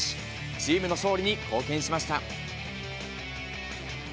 チームの勝利に貢献しました。